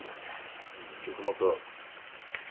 ちょっと待った。